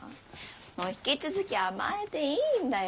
もう引き続き甘えていいんだよ。